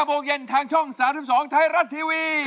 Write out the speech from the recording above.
โมงเย็นทางช่อง๓๒ไทยรัฐทีวี